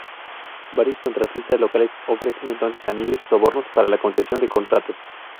Varios contratistas locales ofrecen entonces a Miller sobornos para la concesión de contratos.